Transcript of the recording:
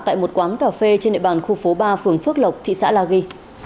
tại một quán cà phê trên địa bàn khu phố ba phường phước lộc thị xã la ghi